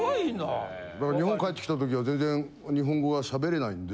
日本帰ってきた時は全然日本語が喋れないんで。